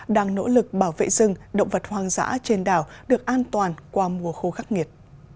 đang nỗ lực bảo vệ rừng động vật hoang dã trên đảo được an toàn qua mùa khô khắc nghiệt